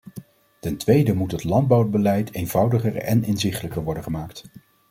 Ten tweede moet het landbouwbeleid eenvoudiger en inzichtelijker worden gemaakt.